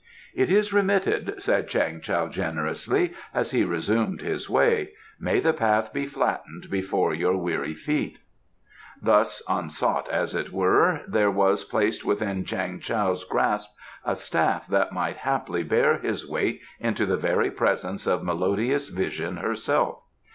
"It is remitted," said Chang Tao generously, as he resumed his way. "May the path be flattened before your weary feet." Thus, unsought as it were, there was placed within Chang Tao's grasp a staff that might haply bear his weight into the very presence of Melodious Vision herself.